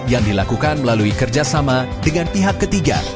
yang dilakukan melalui kerjasama dengan pihak ketiga